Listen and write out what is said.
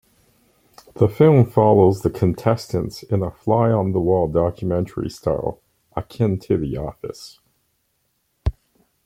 The film follows the contestants in a fly-on-the-wall documentary style, akin to "The Office".